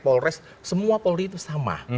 polres semua polri itu sama